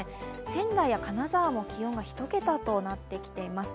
仙台や金沢も気温が１桁となってきています。